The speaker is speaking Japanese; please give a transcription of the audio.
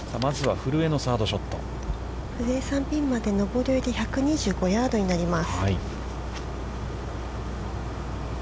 ◆古江さん、ピンまで上りを入れて、１２５ヤードになります。